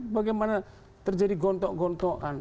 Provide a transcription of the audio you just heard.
bagaimana terjadi gontok gontokan